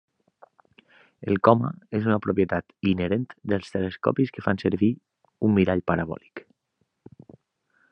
El coma és una propietat inherent dels telescopis que fan servir un mirall parabòlic.